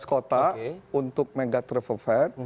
dua belas kota untuk mega travel fair